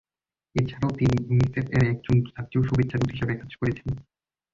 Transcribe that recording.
এছাড়াও তিনি ইউনিসেফ এর একজন জাতীয় শুভেচ্ছা দূত হিসেবে কাজ করছেন।